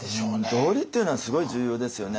道理っていうのはすごい重要ですよね。